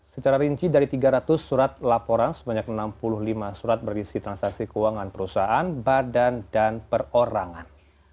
secara rinci dari tiga ratus surat laporan sebanyak enam puluh lima surat berisi transaksi keuangan perusahaan badan dan perorangan